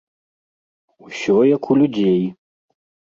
Усё як у людзей!